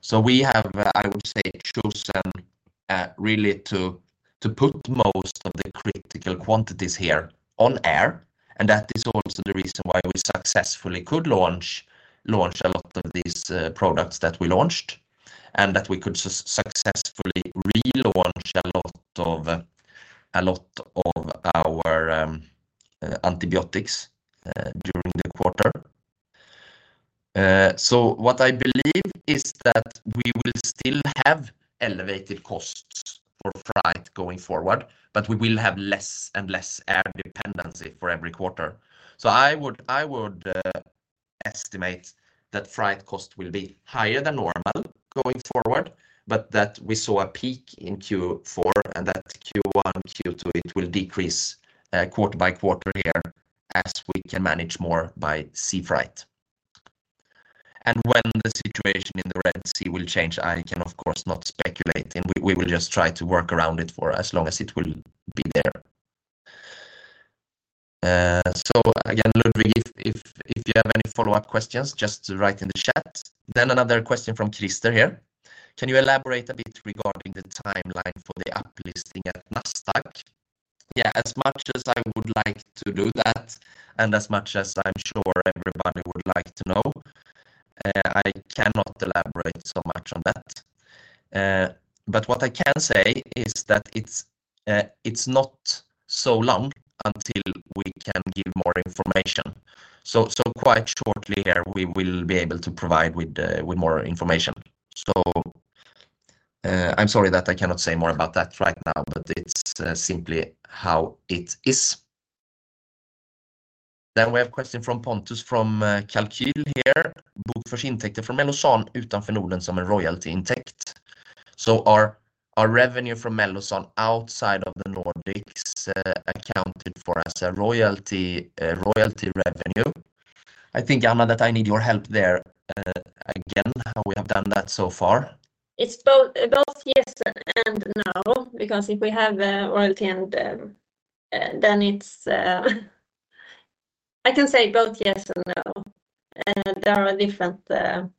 so we have I would say chosen really to to put most of the critical quantities here on air and that is also the reason why we successfully could launch launch a lot of these products that we launched and that we could successfully relaunch a lot of a lot of our antibiotics during the quarter so what I believe is that we will still have elevated costs for freight going forward but we will have less and less air dependency for every quarter so I would I would estimate that freight cost will be higher than normal going forward but that we saw a peak in Q4 and that Q1 Q2 it will decrease quarter by quarter here as we can manage more by sea freight and when the situation in the Red Sea will change I can of course not speculate and we we will just try to work around it for as long as it will be there so again Ludwig if if if you have any follow-up questions just write in the chat then another question from Christer here can you elaborate a bit regarding the timeline for the uplisting at NASDAQ yeah as much as I would like to do that and as much as I'm sure everybody would like to know I cannot elaborate so much on that but what I can say is that it's it's not so long until we can give more information so so quite shortly here we will be able to provide with with more information so I'm sorry that I cannot say more about that right now but it's simply how it is then we have a question from Pontus from Calcul here bokförs intäkter från Melosan utanför Norden som en royalty intäkt so are our revenue from Melosan outside of the Nordics accounted for as a royalty royalty revenue I think Anna that I need your help there again how we have done that so far it's both both yes and no because if we have a royalty and then it's I can say both yes and no and there are different and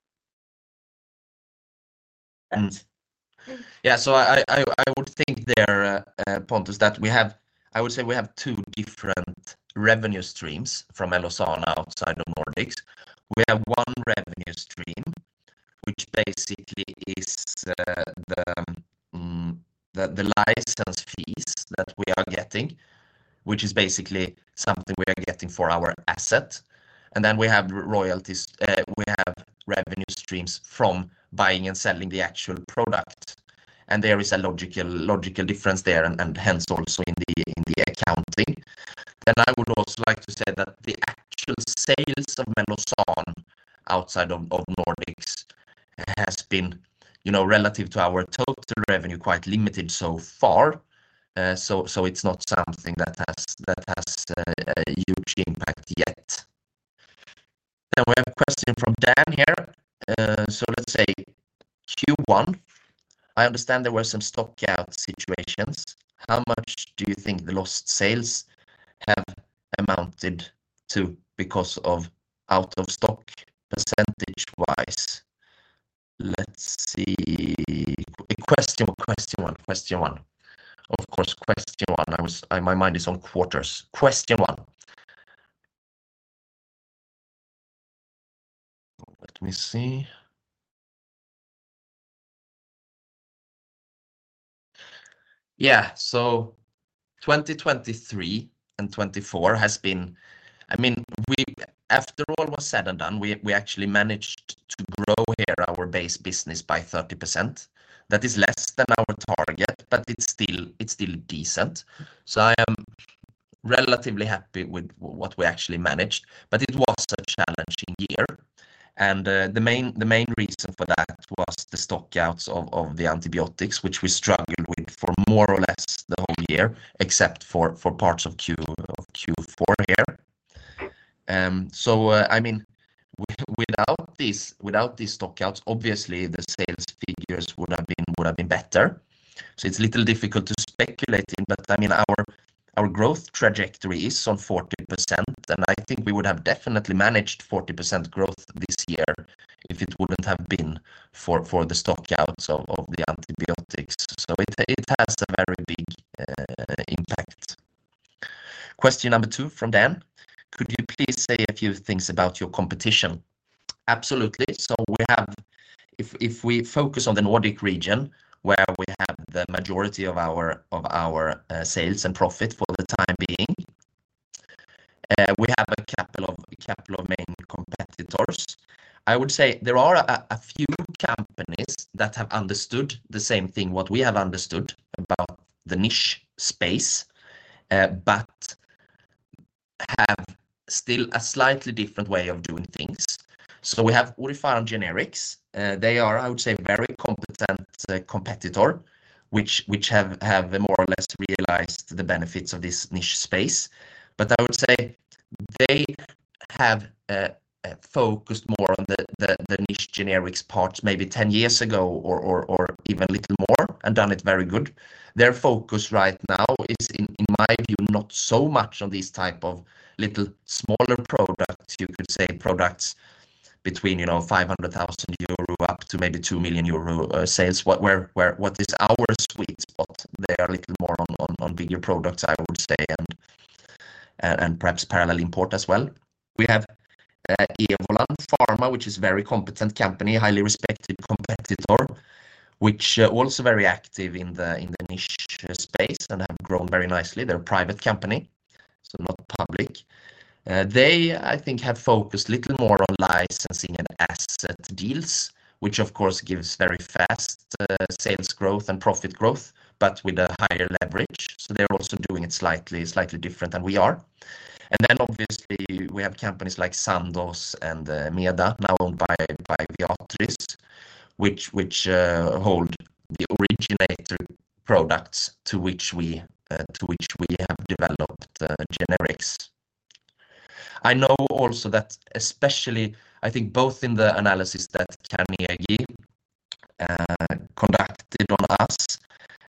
yeah so I I I would think there Pontus that we have I would say we have two different revenue streams from Melosan outside of Nordics we have one revenue stream which basically is the the the license fees that we are getting which is basically something we are getting for our asset and then we have royalties we have revenue streams from buying and selling the actual product and there is a logical logical difference there and and hence also in the in the accounting then I would also like to say that the actual sales of Melosan outside of of Nordics has been you know relative to our total revenue quite limited so far so so it's not something that has that has huge impact yet then we have a question from Dan here so let's say Q1 I understand there were some stock out situations how much do you think the lost sales have amounted to because of out of stock percentage wise let's see a question question one question one of course question one I was I my mind is on quarters question one let me see yeah so 2023 and 24 has been I mean we after all was said and done we we actually managed to grow here our base business by 30% that is less than our target but it's still it's still decent so I am relatively happy with what we actually managed but it was a challenging year and the main the main reason for that was the stockouts of of the antibiotics which we struggled with for more or less the whole year except for for parts of Q of Q4 here so I mean without this without these stockouts obviously the sales figures would have been would have been better so it's a little difficult to speculate in but I mean our our growth trajectory is on 40% and I think we would have definitely managed 40% growth this year if it wouldn't have been for for the stockouts of of the antibiotics so it it has a very big impact question number two from Dan could you please say a few things about your competition absolutely so we have if if we focus on the Nordic region where we have the majority of our of our sales and profit for the time being we have a couple of couple of main competitors I would say there are a few companies that have understood the same thing what we have understood about the niche space but have still a slightly different way of doing things so we have Orifarm Generics they are I would say very competent competitor which which have have more or less realized the benefits of this niche space but I would say they have focused more on the the the niche generics parts maybe 10 years ago or or or even a little more and done it very good their focus right now is in in my view not so much on these type of little smaller products you could say products between you know 500,000 euro up to maybe 2 million euro sales what where where what is our sweet spot they are a little more on on on bigger products I would say and and and perhaps parallel import as well we have Evolant Pharma which is very competent company highly respected competitor which also very active in the in the niche space and have grown very nicely they're a private company so not public they I think have focused a little more on licensing and asset deals which of course gives very fast sales growth and profit growth but with a higher leverage so they're also doing it slightly slightly different than we are and then obviously we have companies like Sandoz and Meda now owned by by Viatris which which hold the originator products to which we to which we have developed generics I know also that especially I think both in the analysis that Canny Egi conducted on us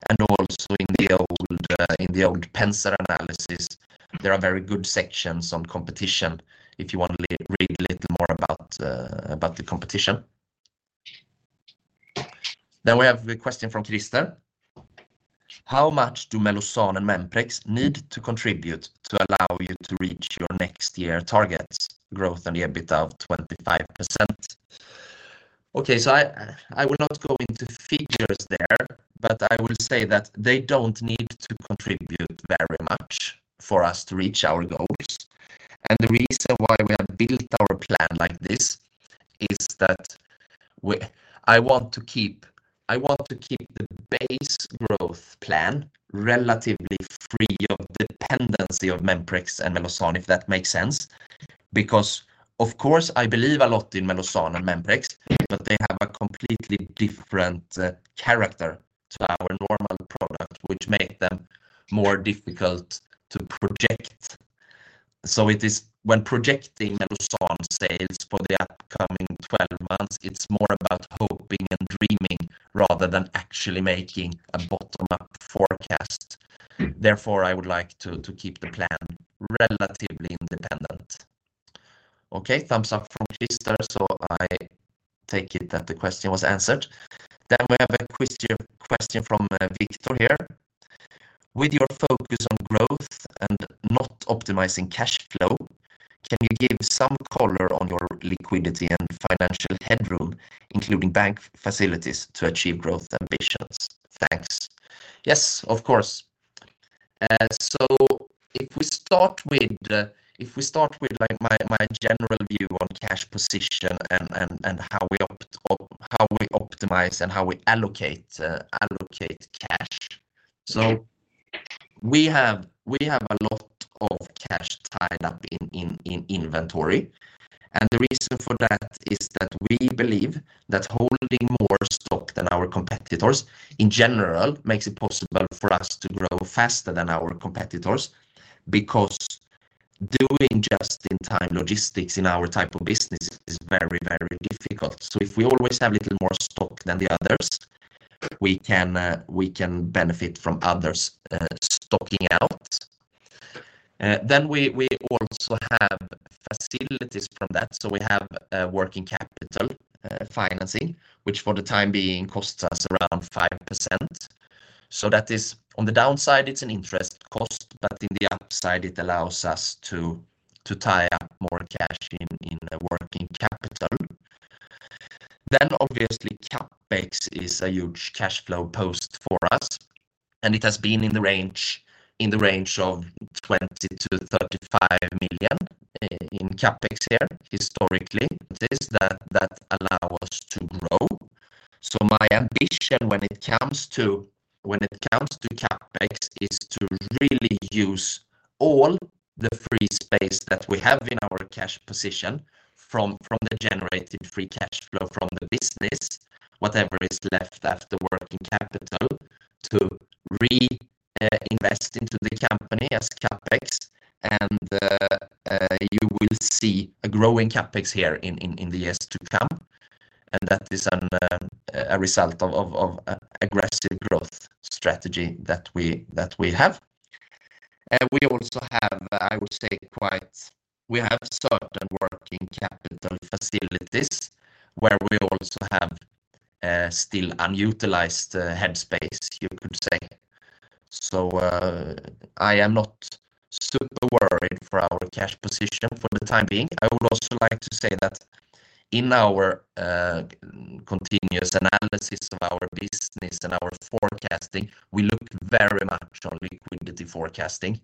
and also in the old in the old Pencer analysis there are very good sections on competition if you want to read a little more about about the competition then we have a question from Christer how much do Melosan and Memprex need to contribute to allow you to reach your next year targets growth and EBITDA of 25% okay so I I will not go into figures there but I will say that they don't need to contribute very much for us to reach our goals and the reason why we have built our plan like this is that we I want to keep I want to keep the base growth plan relatively free of dependency of Memprex and Melosan if that makes sense because of course I believe a lot in Melosan and Memprex but they have a completely different character to our normal product which make them more difficult to project so it is when projecting Melosan sales for the upcoming 12 months it's more about hoping and dreaming rather than actually making a bottom-up forecast therefore I would like to to keep the plan relatively independent okay thumbs up from Christer so I take it that the question was answered then we have a question question from Victor here with your focus on growth and not optimizing cash flow can you give some color on your liquidity and financial headroom including bank facilities to achieve growth ambitions thanks yes of course so if we start with if we start with like my my general view on cash position and and and how we how we optimize and how we allocate allocate cash so we have we have a lot of cash tied up in in in inventory and the reason for that is that we believe that holding more stock than our competitors in general makes it possible for us to grow faster than our competitors because doing just-in-time logistics in our type of business is very very difficult so if we always have a little more stock than the others we can we can benefit from others stocking out then we we also have facilities from that so we have working capital financing which for the time being costs us around 5% so that is on the downside it's an interest cost but in the upside it allows us to to tie up more cash in in working capital then obviously Capex is a huge cash flow post for us and it has been in the range in the range of 20 to 35 million in Capex here historically. That is that that allow us to grow so my ambition when it comes to when it comes to Capex is to really use all the free space that we have in our cash position from from the generated free cash flow from the business whatever is left after working capital to reinvest into the company as Capex and you will see a growing Capex here in in in the years to come and that is a result of of of aggressive growth strategy that we that we have and we also have I would say quite we have certain working capital facilities where we also have still unutilized headspace you could say so I am not super worried for our cash position for the time being I would also like to say that in our continuous analysis of our business and our forecasting we look very much on liquidity forecasting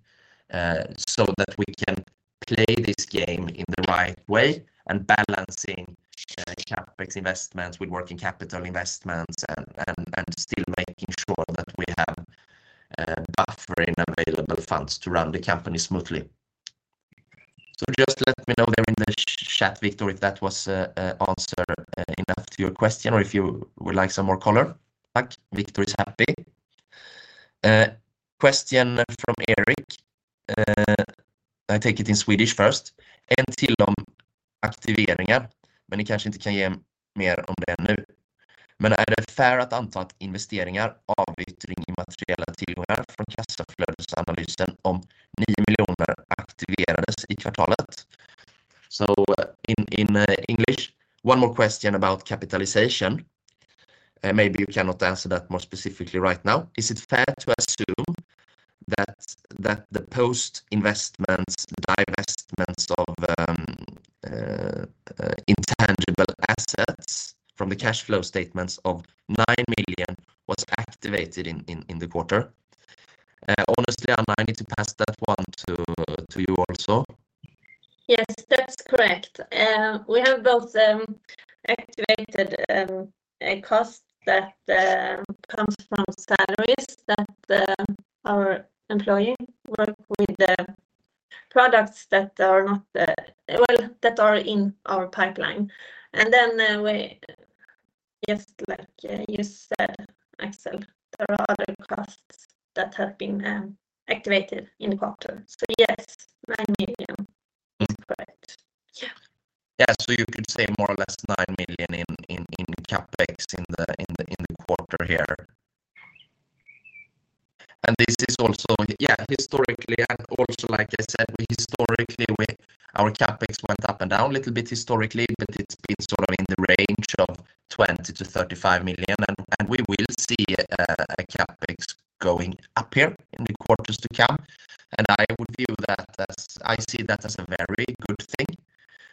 so that we can play this game in the right way and balancing Capex investments with working capital investments and and and still making sure that we have buffering available funds to run the company smoothly so just let me know there in the chat Victor if that was answer enough to your question or if you would like some more color back Victor is happy question from Eric I take it in Swedish first en till om aktiveringar men ni kanske inte kan ge mer om det än nu men är det fair att anta att investeringar avyttring immateriella tillgångar från kassaflödesanalysen om 9 miljoner aktiverades i kvartalet so in in English one more question about capitalization maybe you cannot answer that more specifically right now is it fair to assume that that the post investments the divestments of intangible assets from the cash flow statements of 9 million was activated in in in the quarter honestly Anna I need to pass that one to to you also yes that's correct we have both activated a cost that comes from salaries that our employee work with the products that are not well that are in our pipeline and then we just like you said Axel there are other costs that have been activated in the quarter so yes 9 million that's correct yeah yeah so you could say more or less 9 million in in in Capex in the in the in the quarter here and this is also yeah historically and also like I said we historically we our Capex went up and down a little bit historically but it's been sort of in the range of 20 to 35 million and and we will see a Capex going up here in the quarters to come and I would view that as I see that as a very good thing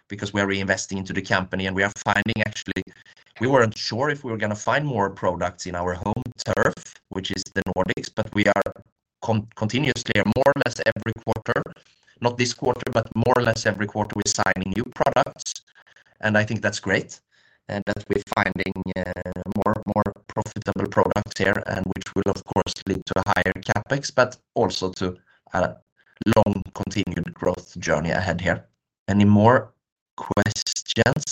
because we are reinvesting into the company and we are finding actually we weren't sure if we were going to find more products in our home turf which is the Nordics but we are continuously more or less every quarter not this quarter but more or less every quarter we're signing new products and I think that's great and that we're finding more more profitable products here and which will of course lead to a higher Capex but also to a long continued growth journey ahead here any more questions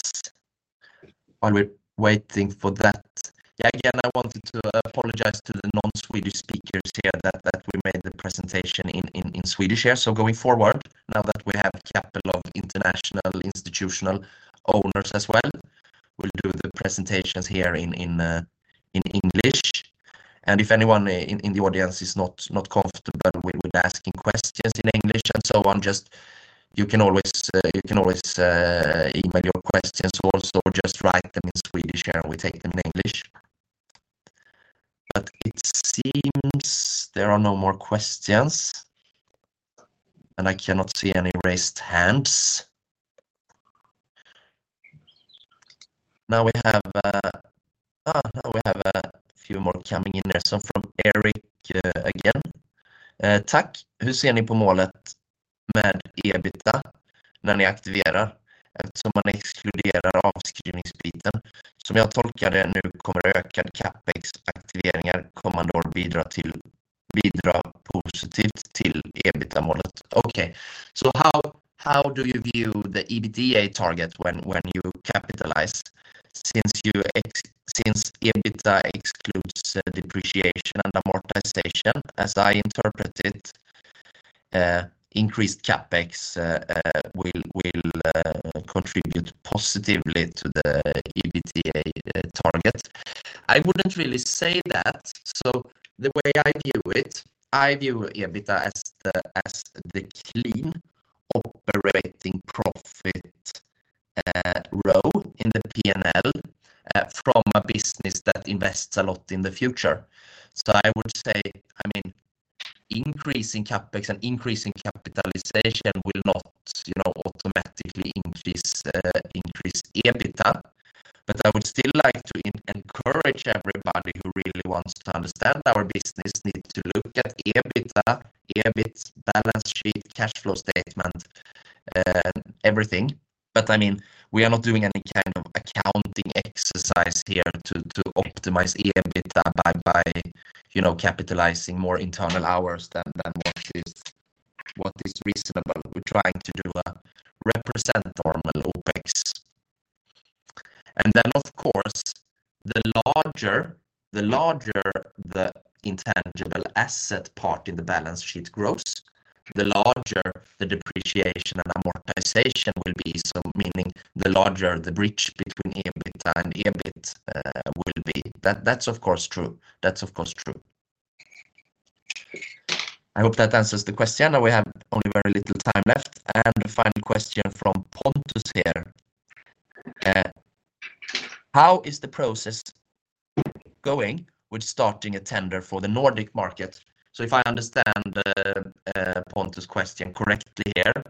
while we're waiting for that yeah again I wanted to apologize to the non-Swedish speakers here that that we made the presentation in in in Swedish here so going forward now that we have a couple of international institutional owners as well we'll do the presentations here in in in English and if anyone in in the audience is not not comfortable with with asking questions in English and so on just you can always you can always email your questions also or just write them in Swedish here and we take them in English but it seems there are no more questions and I cannot see any raised hands now we have now we have a few more coming in there some from Eric again tack hur ser ni på målet med EBITDA när ni aktiverar eftersom man exkluderar avskrivningsbiten som jag tolkar det nu kommer ökad Capex aktiveringar kommande år bidra till bidra positivt till EBITDA-målet okej so how how do you view the EBITDA target when when you capitalize since you since EBITDA excludes depreciation and amortization as I interpret it increased Capex will will contribute positively to the EBITDA target I wouldn't really say that so the way I view it I view EBITDA as the as the clean operating profit row in the P&L from a business that invests a lot in the future so I would say I mean increasing Capex and increasing capitalization will not you know automatically increase increase EBITDA but I would still like to encourage everybody who really wants to understand our business need to look at EBITDA EBIT balance sheet cash flow statement everything but I mean we are not doing any kind of accounting exercise here to to optimize EBITDA by by you know capitalizing more internal hours than than what is what is reasonable we're trying to do a represent normal OPEX and then of course the larger the larger the intangible asset part in the balance sheet grows the larger the depreciation and amortization will be so meaning the larger the bridge between EBITDA and EBIT will be that that's of course true that's of course true I hope that answers the question and we have only very little time left and the final question from Pontus here how is the process going with starting a tender for the Nordic market so if I understand the Pontus question correctly here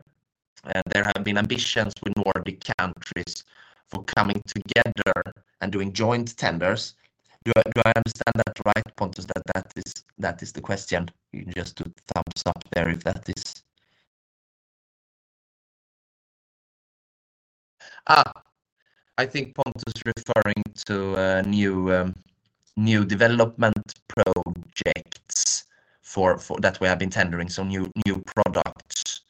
there have been ambitions with Nordic countries for coming together and doing joint tenders do I do I understand that right Pontus that that is that is the question you can just do thumbs up there if that is I think Pontus referring to a new new development projects for for that we have been tendering so new new products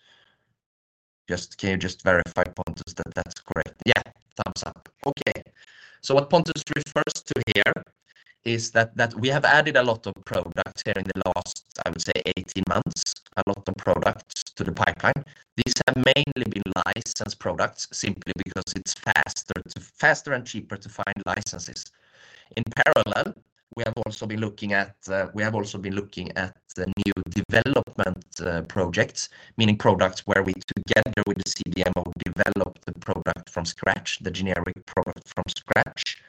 just can you just verify Pontus that that's great yeah thumbs up okay so what Pontus refers to here is that that we have added a lot of products here in the last I would say 18 months a lot of products to the pipeline these have mainly been licensed products simply because it's faster to faster and cheaper to find licenses in parallel we have also been looking at we have also been looking at new development projects meaning products where we together with the CDMO developed the product from scratch the generic product from scratch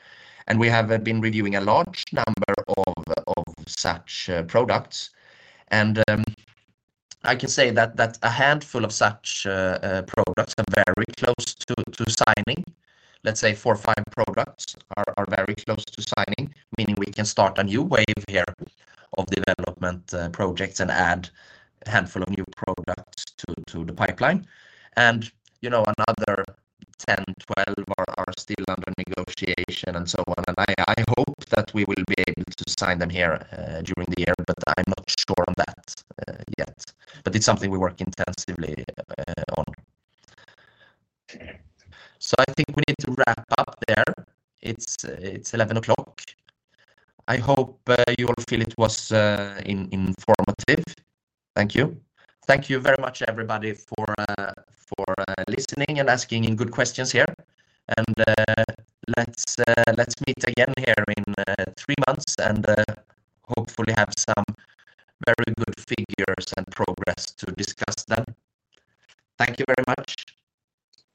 and we have been reviewing a large number of of such products and I can say that that a handful of such products are very close to to signing let's say four or five products are are very close to signing meaning we can start a new wave here of development projects and add a handful of new products to to the pipeline and you know another 10 12 are are still under negotiation and so on and I I hope that we will be able to sign them here during the year but I'm not sure on that yet but it's something we work intensively on so I think we need to wrap up there it's it's 11 o'clock I hope you all feel it was informative thank you thank you very much everybody for for listening and asking in good questions here and let's let's meet again here in three months and hopefully have some very good figures and progress to discuss them thank you very much.